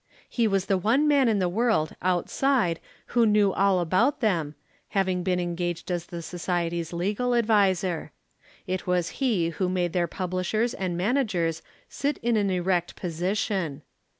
He was the one man in the world outside who knew all about them, having been engaged as the Society's legal adviser. It was he who made their publishers and managers sit in an erect position.